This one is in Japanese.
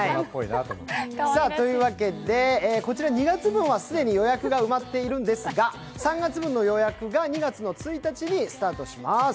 というわけでこちら２月分は既に予約が埋まっているんですが３月分の予約が２月１日にスタートします。